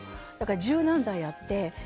十何台あって。